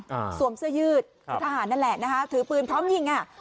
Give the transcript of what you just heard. อ่าสวมเสื้อยืดคือทหารนั่นแหละนะคะถือปืนพร้อมยิงอ่ะ